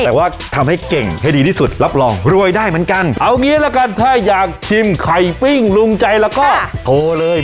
แต่ว่าทำให้เก่งให้ดีที่สุดรับรองรวยได้เหมือนกันเอางี้ละกันถ้าอยากชิมไข่ปิ้งลุงใจแล้วก็โทรเลย